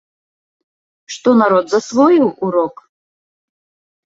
Што народ засвоіў урок?